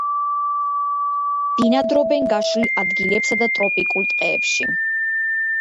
ბინადრობენ გაშლილ ადგილებსა და ტროპიკულ ტყეებში.